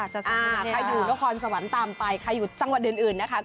ใครอยู่นครสวรรค์ตามไปใครอยู่จังหวัดอื่นนะคะ